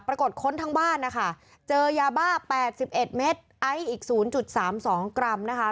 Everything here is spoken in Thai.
ค้นทั้งบ้านนะคะเจอยาบ้า๘๑เมตรไอซ์อีก๐๓๒กรัมนะคะ